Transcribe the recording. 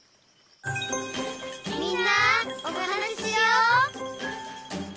「みんなおはなししよう」